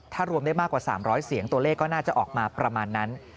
ถ้ารวมได้มากกว่า๓๐๐เสียงตัวเลขก็น่าจะออกมาประมาณนั้น